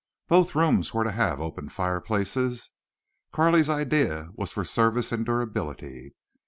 Both rooms were to have open fireplaces. Carley's idea was for service and durability.